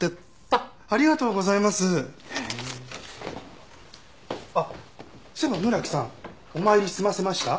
あっそういえば村木さんお参り済ませました？